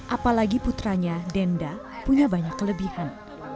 apalagi putranya denda punya banyak kelebihan